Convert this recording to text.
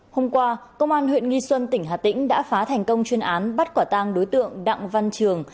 hôm qua công an huyện nghi xuân tỉnh hà tĩnh đã phá thành công chuyên án bắt quả tang đối tượng đặng văn trường